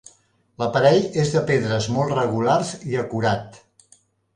L'aparell és de pedres molt regulars i acurat.